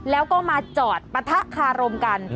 แล้วก็มาจอดปะทะคารมกัน